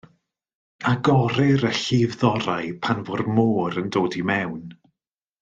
Agorir y llif-ddorau pan fo'r môr yn dod i mewn.